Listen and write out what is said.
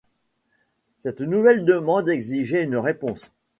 Cette nouvelle demande exigeait une réponse.